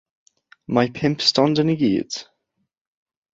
Mae pump stondin i gyd.